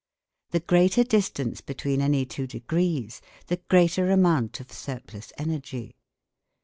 The greater distance between any two degrees the greater amount of surplus energy.